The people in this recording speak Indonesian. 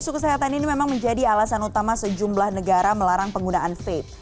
isu kesehatan ini memang menjadi alasan utama sejumlah negara melarang penggunaan vape